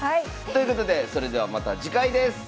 ということでそれではまた次回です。